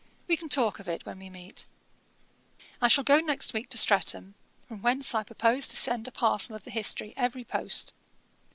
We can talk of it when we meet. 'I shall go next week to Streatham, from whence I purpose to send a parcel of the History every post.